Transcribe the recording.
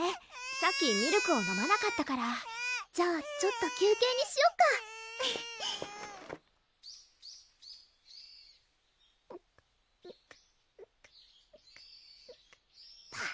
さっきミルクを飲まなかったからじゃあちょっと休憩にしよっかぷは